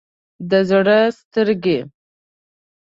د زړه سترګې